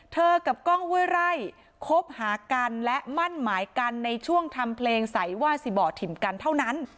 กับกล้องห้วยไร่คบหากันและมั่นหมายกันในช่วงทำเพลงใสว่าสิบ่อถิ่นกันเท่านั้น